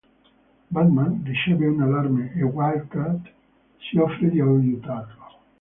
Batman riceve un allarme e Wildcat si offre di aiutarlo.